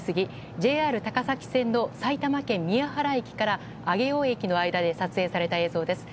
ＪＲ高崎線の埼玉県宮原駅から上尾駅の間で撮影された映像です。